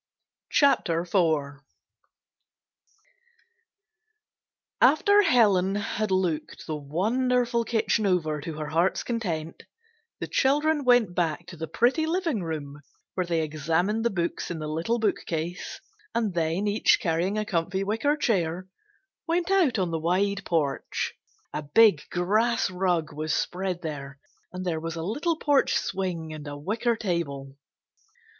CHAPTER IV After Helen had looked the wonderful kitchen over to her heart's content, the children went back to the pretty living room, where they examined the books in the little bookcase, and then each carrying a comfy wicker chair, went out on the wide porch. A big grass rug was spread there, and there was a little porch swing and a wicker table.